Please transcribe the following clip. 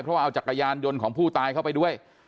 เพราะว่าเอาจักรยานยนต์ของผู้ตายเข้าไปด้วย